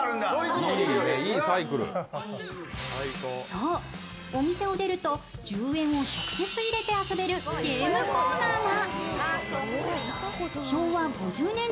そう、お店を出ると１０円を直接入れて遊べるゲームコーナーが。